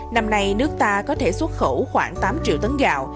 năm nay nước ta có thể xuất khẩu khoảng tám triệu tấn gạo